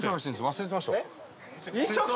忘れてました。